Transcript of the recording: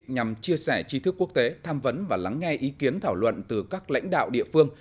nhằm chia sẻ chi thức quốc tế tham vấn và lắng nghe ý kiến thảo luận từ các lãnh đạo địa phương